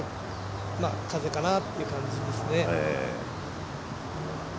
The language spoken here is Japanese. まあ、風かなっていう感じですね。